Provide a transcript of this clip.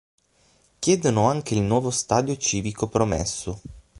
Chiedono anche il nuovo stadio civico promesso.